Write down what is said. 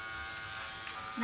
何？